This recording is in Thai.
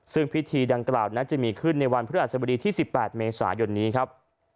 ซึ่งพิธีดังกล่าวนั้นจะมีขึ้นในวันพฤหัสบดีที่๑๘เมษายนนี้ครับ